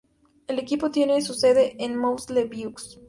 El equipo tiene su sede en Moussy-le-Vieux.